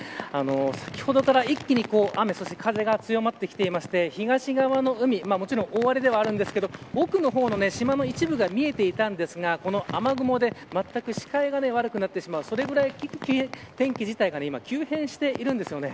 先ほどから一気に、雨そして風が強まってきていて東側の海もちろん大荒れではあるんですが奥の方の島の一部が見えていたんですがこの雨雲でまったく視界が悪くなってしまうそれぐらい、天気自体が今、急変しているんです。